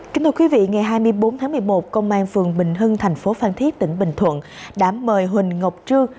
kính thưa quý vị ngày hai mươi bốn tháng một mươi một công an phường bình hưng thành phố phan thiết tỉnh bình thuận đã mời huỳnh ngọc trương